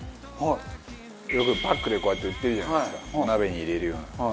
よくパックでこうやって売ってるじゃないですかお鍋に入れるような。